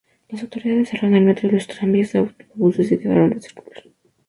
Las autoridades cerraron el metro, y los tranvías y autobuses dejaron de circular.